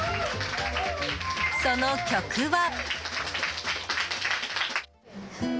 その曲は。